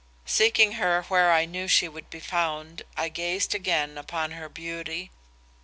"Seeking her where I knew she would be found, I gazed again upon her beauty.